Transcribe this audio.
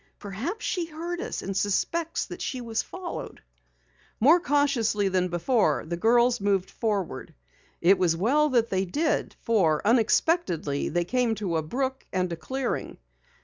"Perhaps she heard us and suspects that we followed her." More cautiously than before, the girls moved forward. It was well that they did, for unexpectedly they came to a brook and a clearing.